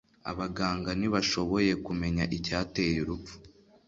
abaganga ntibashoboye kumenya icyateye urupfu